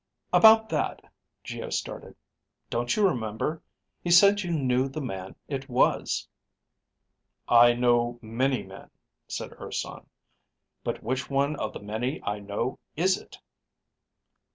"About that," Geo started. "Don't you remember? He said you knew the man it was." "I know many men," said Urson, "but which one of the many I know is it?"